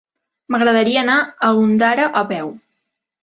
M'agradaria anar a Ondara a peu.